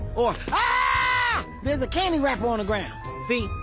あ。